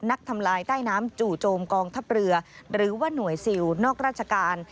ทำลายใต้น้ำจู่โจมกองทัพเรือหรือว่าหน่วยซิลนอกราชการ